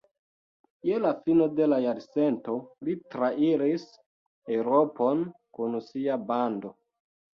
Je la fino de la jarcento li trairis Eŭropon kun sia bando.